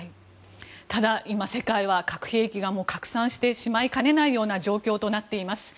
ただ、今、世界は核兵器が拡散してしまいかねないような状況となっています。